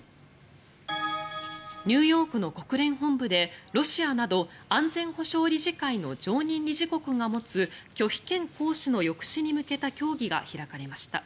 ニューヨークの国連本部でロシアなど安全保障理事会の常任理事国が持つ拒否権行使の抑止に向けた協議が開かれました。